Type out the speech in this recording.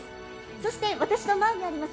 そして、私の前にあります